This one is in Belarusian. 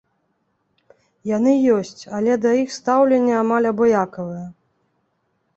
Яны ёсць, але да іх стаўленне амаль абыякавае.